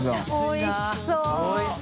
おいしそう！